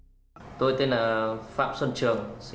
trường khai với cơ quan điều tra anh ta không phải là hùng thủ